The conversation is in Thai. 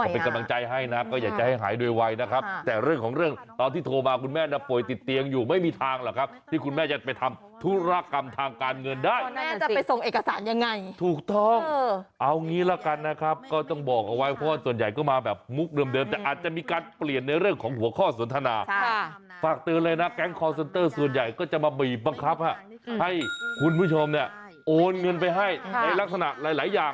ไปทำธุรกรรมทางการเงินได้น่าจะไปส่งเอกสารยังไงถูกต้องเออเอางี้แล้วกันนะครับก็ต้องบอกว่าส่วนใหญ่ก็มาแบบมุกเดิมเดิมแต่อาจจะมีการเปลี่ยนในเรื่องของหัวข้อสนทนาค่ะฝากเตือนเลยนะแก๊งคอร์เซ็นเตอร์ส่วนใหญ่ก็จะมาบีบบังคับฮะให้คุณผู้ชมเนี้ยโอนเงินไปให้ในลักษณะหล